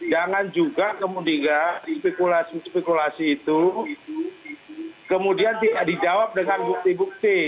jangan juga kemudian spekulasi spekulasi itu kemudian tidak dijawab dengan bukti bukti